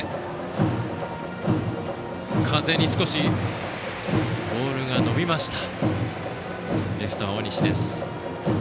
風で少しボールが伸びました。